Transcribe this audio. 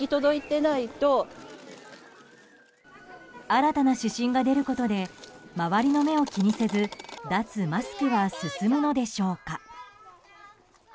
新たな指針が出ることで周りの目を気にせず脱マスクは進むのでしょうか。